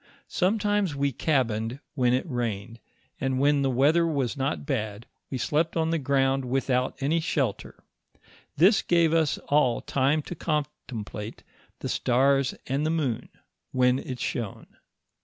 Sometimes we cabined when it rained, and when the weather was not bad, we slept on the ground without any shelter ; this gave us all time to contemplate the stare and the moon when it shone.